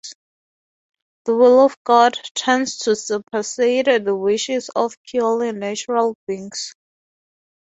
The will of God tends to supersede the wishes of purely natural beings.